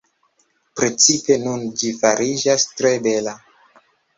Precipe nun ĝi fariĝas tre bela.